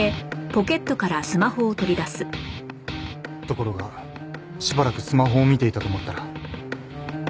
ところがしばらくスマホを見ていたと思ったら。